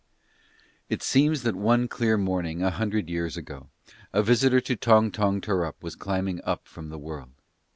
It seems that one clear morning a hundred years ago, a visitor to Tong Tong Tarrup was climbing up from the world.